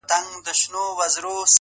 وجود مي غم ناځوانه وړی دی له ځانه سره;